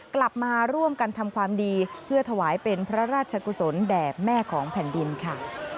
กลับมาร่วมกันทำความดีเพื่อถวายเป็นพระราชกุศลแด่แม่ของแผ่นดินค่ะ